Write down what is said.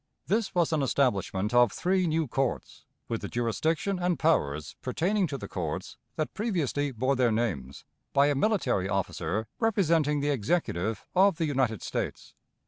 This was an establishment of three new courts, with the jurisdiction and powers pertaining to the courts that previously bore their names, by a military officer representing the Executive of the United States.